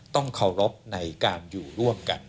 ต้องเคารพในการอยู่ร่วมกัน